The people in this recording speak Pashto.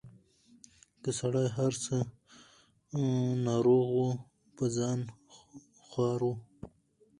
که سړی هر څه ناروغ وو په ځان خوار وو